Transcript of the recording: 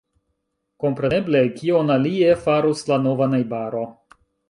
Kompreneble; kion alie farus la nova najbaro?